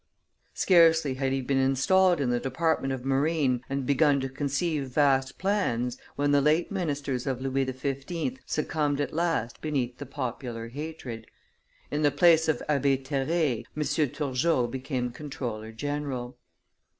Scarcely had he been installed in the department of marine and begun to conceive vast plans, when the late ministers of Louis XV. succumbed at last beneath the popular hatred; in the place of Abbe Terray, M. Turgot became comptroller general.